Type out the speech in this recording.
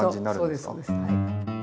そうですそうです。